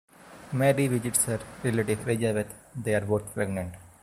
Mary visits her relative Elizabeth; they are both pregnant.